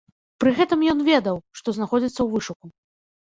Пры гэтым ён ведаў, што знаходзіцца ў вышуку.